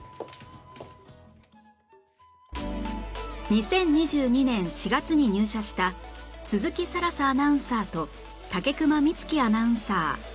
２０２２年４月に入社した鈴木新彩アナウンサーと武隈光希アナウンサー